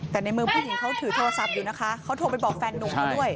แต่ในมือผู้หญิงเขาถือโทรศัพท์อยู่นะคะเขาโทรไปบอกแฟนหนุ่มเขาด้วย